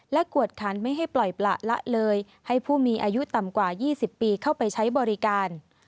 กวดคันไม่ให้ปล่อยประละเลยให้ผู้มีอายุต่ำกว่า๒๐ปีเข้าไปใช้บริการ